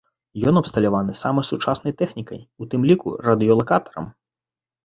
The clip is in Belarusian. Ён абсталяваны самай сучаснай тэхнікай, у тым ліку радыёлакатарам.